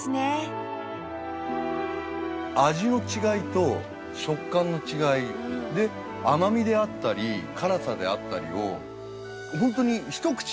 味の違いと食感の違いで甘みであったり辛さであったりをホントに。